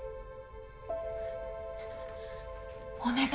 お願い。